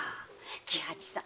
喜八さん